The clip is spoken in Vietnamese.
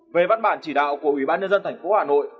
về văn bản chỉ đạo của ubnd tp hà nội